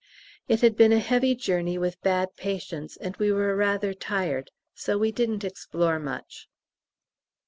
It had been a heavy journey with bad patients, and we were rather tired, so we didn't explore much.